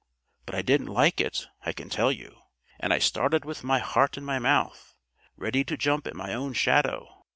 But I didn't like it, I can tell you; and I started with my heart in my mouth, ready to jump at my own shadow.